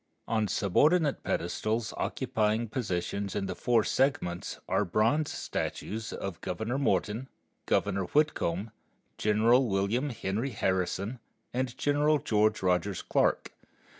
On subordinate pedestals occupying positions in the four segments are bronze statues of Governor Morton, Governor Whitcomb, General William Henry Harrison, and General George Rogers Clark.